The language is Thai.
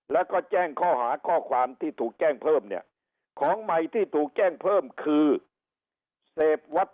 แล้วก็แจ้งข้อหาข้อความที่ถูกแจ้งเพิ่มเนี่ยของใหม่ที่ถูกแจ้งเพิ่มคือเสพวัด